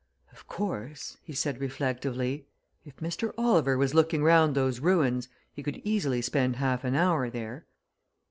"Of course," he said reflectively, "if Mr. Oliver was looking round those ruins he could easily spend half an hour there."